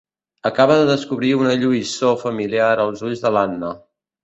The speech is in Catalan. Acaba de descobrir una lluïssor familiar als ulls de l'Anna.